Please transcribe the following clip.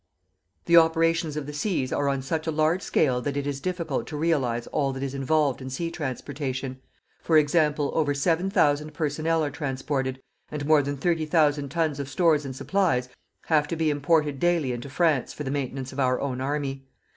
The operations of the seas are on such a large scale that it is difficult to realize all that is involved in sea transportation; for example, over 7,000 personnel are transported, and more than 30,000 tons of stores and supplies have to be imported daily into France for the maintenance of our own army.